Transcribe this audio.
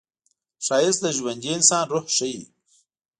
ښایست د ژوندي انسان روح ښيي